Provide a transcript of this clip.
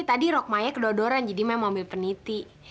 tadi rok mai kedor doran jadi mai mau ambil peniti